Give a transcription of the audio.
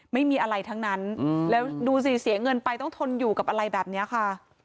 ไม่มีอะไรทั้งนั้นแล้วดูสิเสียเงินไปต้องทนอยู่กับอะไรแบบนี้ค่ะ